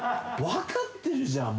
分かってるじゃん